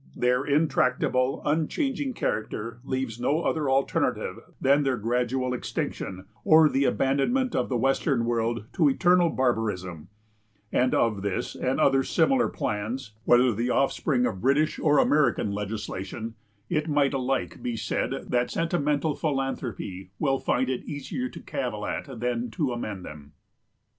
Their intractable, unchanging character leaves no other alternative than their gradual extinction, or the abandonment of the western world to eternal barbarism; and of this and other similar plans, whether the offspring of British or American legislation, it may alike be said that sentimental philanthropy will find it easier to cavil at than to amend them.